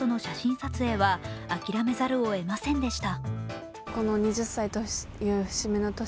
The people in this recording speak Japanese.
撮影は諦めざるをえませんでした。